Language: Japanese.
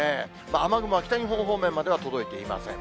雨雲は北日本方面までは届いていません。